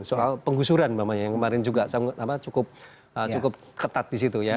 soal penggusuran yang kemarin juga cukup ketat di situ ya